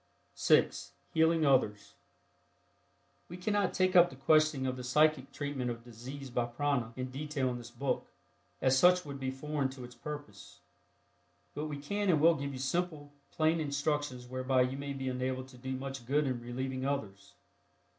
(6) HEALING OTHERS. We cannot take up the question of the psychic treatment of disease by prana in detail in this book, as such would be foreign to its purpose. But we can and will give you simple, plain instructions whereby you may be enabled to do much good in relieving others.